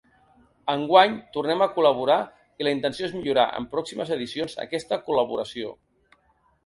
Enguany tornem a col·laborar i la intenció és millorar, en pròximes edicions, aquesta col·laboració.